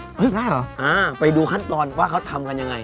ง่ายเหรออ่าไปดูขั้นตอนว่าเขาทำกันยังไง